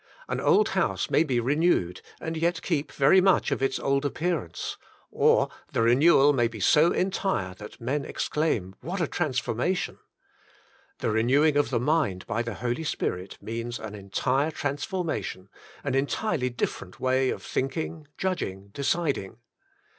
An old house may be renewed, and yet keep very much of its old appearance; or the renewal may be so entire that men exclaim what a transformation! The renewing of the mind by the Holy Spirit means an entire transfornaation, The Daily Renewal — Its Cost 131 an entirely different way of thinking, judging, de ciding.